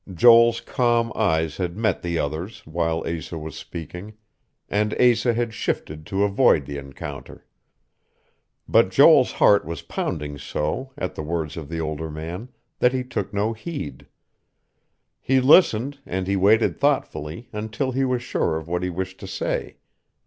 Joel's calm eyes had met the other's while Asa was speaking; and Asa had shifted to avoid the encounter. But Joel's heart was pounding so, at the words of the older man, that he took no heed. He listened, and he waited thoughtfully until he was sure of what he wished to say.